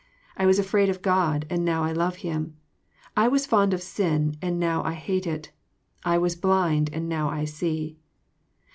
I was afraid of God, and now I love Him. I was fond of sin, and now I hate it. I was blind, and now I see."